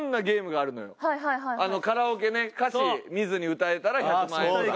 カラオケね歌詞見ずに歌えたら１００万円とか。